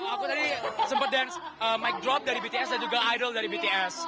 aku tadi sempat dance mic drop dari bts dan juga idol dari bts